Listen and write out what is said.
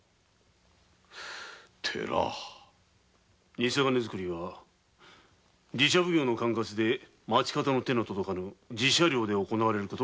ニセ金づくりは寺社奉公の管轄で町方の手の届かぬ寺社領で行われる事が多い。